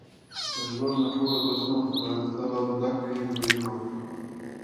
د ژوند ټولو درسونو ته پرانستل او زده کړه یې مهمه ده.